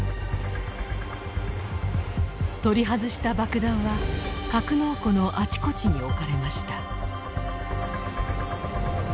取り外した爆弾は格納庫のあちこちに置かれました。